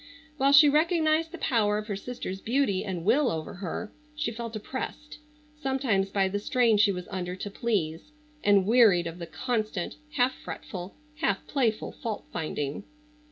While she recognized the power of her sister's beauty and will over her, she felt oppressed sometimes by the strain she was under to please, and wearied of the constant, half fretful, half playful fault finding.